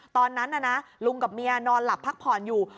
ตอนนั้นน่ะนะลุงกับเมียนอนหลับพักผ่อนอยู่